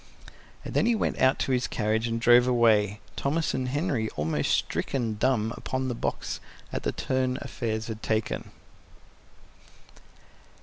And then he went out to his carriage and drove away, Thomas and Henry almost stricken dumb upon the box at the turn affairs had taken.